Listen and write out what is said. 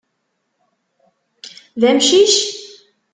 D amcic?